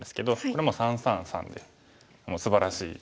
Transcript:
これ３３３でもうすばらしい。